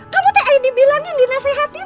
kamu teh ayo dibilangin dinasehatin teh sih